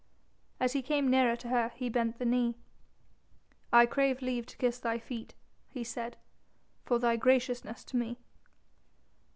As he came nearer to her, he bent the knee. "I crave leave to kiss thy feet," he said, "for thy graciousness to me."